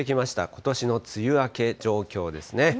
ことしの梅雨明け状況ですね。